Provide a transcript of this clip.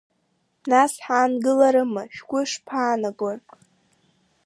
Нас ҳаангыларыма, шәгәы ишԥаанагои?